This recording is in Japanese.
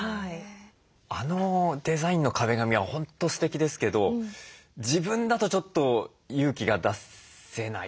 あのデザインの壁紙は本当ステキですけど自分だとちょっと勇気が出せない。